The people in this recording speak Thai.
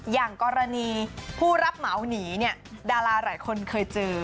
อย่างกรณีผู้รับเหมาหนีเนี่ยดาราหลายคนเคยเจอ